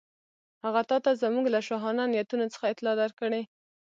هغه تاته زموږ له شاهانه نیتونو څخه اطلاع درکړې.